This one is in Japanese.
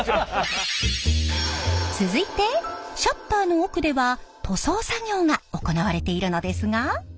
続いてシャッターの奥では塗装作業が行われているのですが。